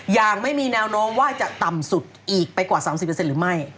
อย่างไม่มีแนวโน้มว่าจะต่ำสุดอีกไปกว่า๓๐หรือไม่